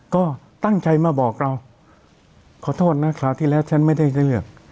ก็ตั้งใจมาบอกเราขอโทษนะคราวที่แล้วฉันไม่ได้เลือก